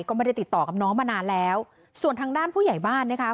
ก็ไม่ได้ติดต่อกับน้องมานานแล้วส่วนทางด้านผู้ใหญ่บ้านนะคะ